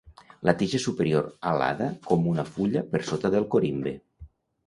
La tija superior alada com una fulla per sota del corimbe.